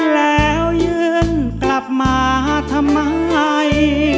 แล้วยื่นกลับมาทำไม